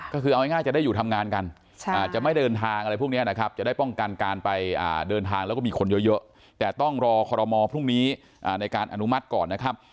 ก็คือเอาง่ายจะได้อยู่ทำงานกันอาจจะไม่เดินทางอะไรพวกนี้นะครับจะได้ป้องกันการไปเดินทางแล้วก็มีคนเยอะแต่ต้องรอคอรมอพรุ่งนี้ในการอนุมัติก่อนนะครับ